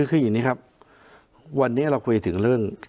คืออย่างนี้ครับวันนี้เราคุยถึงเรื่อง